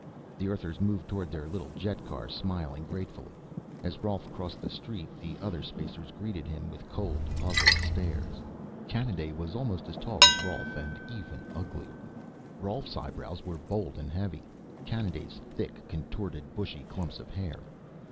The Earthers moved toward their little jetcar, smiling gratefully. As Rolf crossed the street, the other Spacers greeted him with cold, puzzled stares. Kanaday was almost as tall as Rolf, and even uglier. Rolf's eyebrows were bold and heavy; Kanaday's, thick, contorted, bushy clumps of hair.